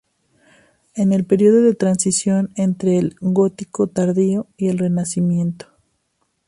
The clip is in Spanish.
En el periodo de transición entre el gótico tardío y el renacimiento.